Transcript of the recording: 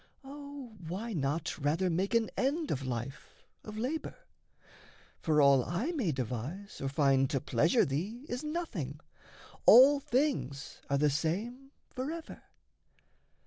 O why not rather make an end of life, Of labour? For all I may devise or find To pleasure thee is nothing: all things are The same forever.